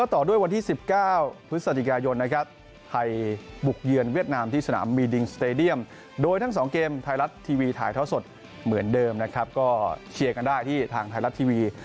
ทีวีถ่ายเท้าสดเหมือนเดิมนะครับก็เชียร์กันได้ที่ทางไทยรัดทีวี